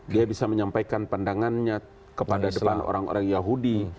dia bisa menyampaikan pandangannya kepada depan orang orang yahudi